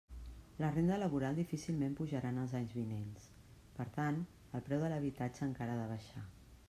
La renda laboral difícilment pujarà en els anys vinents; per tant, el preu de l'habitatge encara ha de baixar.